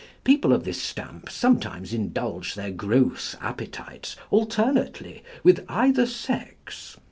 People of this stamp sometimes indulge their gross appetites alternately with either sex.